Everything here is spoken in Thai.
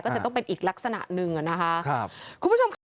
ก็จะต้องเป็นอีกลักษณะหนึ่งอ่ะนะคะครับคุณผู้ชมค่ะ